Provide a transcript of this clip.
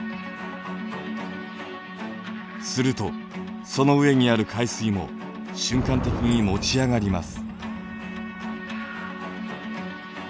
するとその上にある海水も瞬間的に持ち上がります。